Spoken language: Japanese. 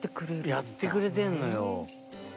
やってくれてんのよ。